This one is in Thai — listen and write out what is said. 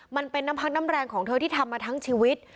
มันเป็นน้ำพักน้ำแรงของเธอที่ทำมาทั้งชีวิต